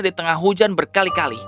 di tengah hujan berkali kali